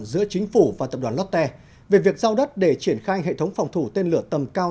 giữa chính phủ và tập đoàn lotte về việc giao đất để triển khai hệ thống phòng thủ tên lửa tầm cao